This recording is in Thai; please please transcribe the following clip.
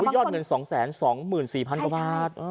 ยอดเหมือน๒๒๔๐๐๐บาท